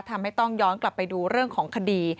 ทำให้ต้องย้อนกลับไปดูเรื่องของคดี